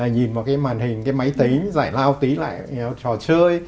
nhìn vào cái màn hình cái máy tính giải lao tí lại trò chơi